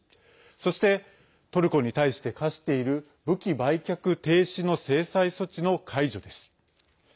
そしてトルコに対して科している武器売却停止の制裁措置の解除です。